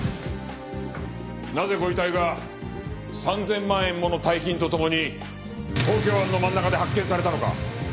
なぜご遺体が３０００万円もの大金と共に東京湾の真ん中で発見されたのか。